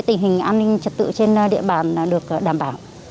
tình hình an ninh trật tự trên địa bàn được đảm bảo